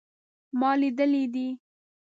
ما لیدلی دی